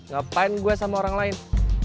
ngapain gue sama orang lain